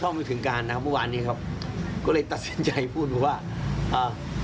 ผมไม่ถึงการนะครับวันนี้ครับก็เลยตัดสินใจพูดว่าอ่า